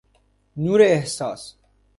نوراحساس